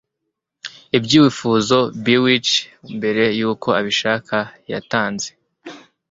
Ibyifuzo bewitchd mbere yuko abishaka yatanze